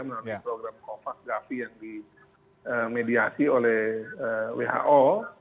mengalami program kovas gavi yang dimediasi oleh who